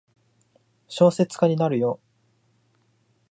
小説家になるよ。